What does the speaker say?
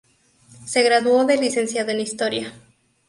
Se graduó de licenciado en Historia.